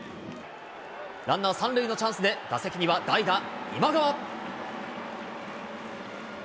ランナー３塁のチャンスで、打席には代打、今川。